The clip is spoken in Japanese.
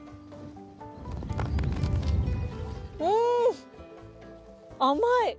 うん、甘い！